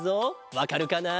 わかるかな？